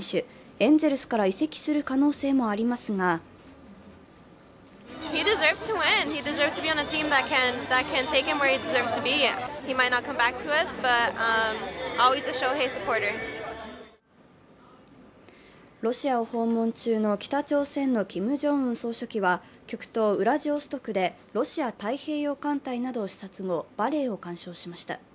エンゼルスから移籍する可能性もありますがロシアを訪問中の北朝鮮のキム・ジョンウン総書記は極東ウラジオストクで、ロシア太平洋艦隊などを視察後バレエを鑑賞しました。